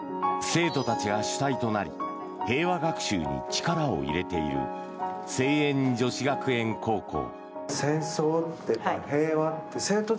生徒たちが主体となり平和学習に力を入れている西遠女子学園高校。